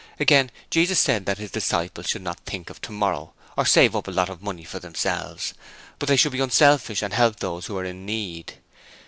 Again, Jesus said that His disciples should not think of tomorrow, or save up a lot of money for themselves, but they should be unselfish and help those who are in need.